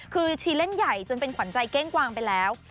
คือชีเล่นใหญ่จนเป็นขวัญใจเก้งกวางไปแล้ว